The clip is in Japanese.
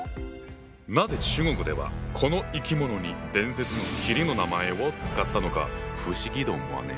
なぜ中国ではこの生き物に伝説の麒麟の名前を使ったのか不思議と思わねえ？